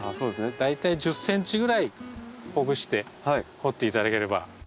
大体１０ｃｍぐらいほぐして掘っていただければ。